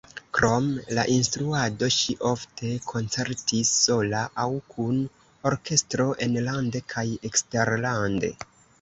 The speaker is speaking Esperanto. Krom la instruado ŝi ofte koncertis sola aŭ kun orkestro enlande kaj eksterlande.